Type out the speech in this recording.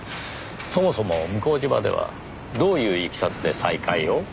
そもそも向島ではどういういきさつで再会を？